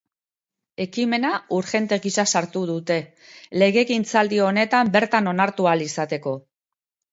Ekimena urgente gisa sartu dute, legegintzaldi honetan bertan onartu ahal izateko.